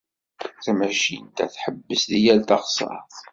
Tamacint-a tḥebbes di yal taɣsert.